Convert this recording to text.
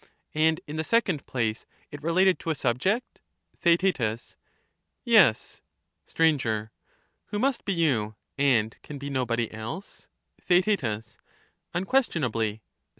And, in the second place, it related to a subject ? Theaet. Yes. Str. Who must be you, and can be nobody else ? Theaet. Unquestionably. Str.